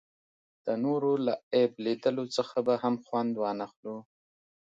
د نورو له عیب له لیدلو څخه به هم خوند وانخلو.